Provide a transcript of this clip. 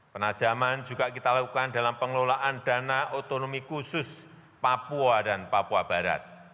penajaman juga kita lakukan dalam pengelolaan dana otonomi khusus papua dan papua barat